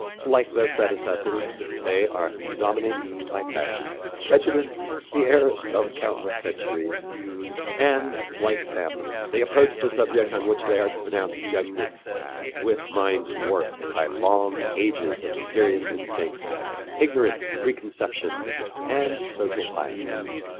Like their predecessors, they are dominated by passion, prejudice, the errors of countless centuries, and, like them, they approach the subject on which they are to pronounce judgment, with minds warped by long ages of imperious instincts, ignorant preconceptions and social bias.